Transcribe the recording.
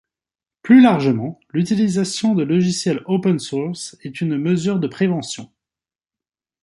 Plus largement, l'utilisation de logiciels open source est une mesure de prévention.